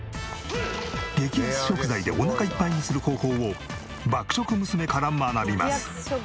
激安食材でおなかいっぱいにする方法を爆食娘から学びます。